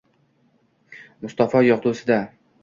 Musaffo yogʼdusiga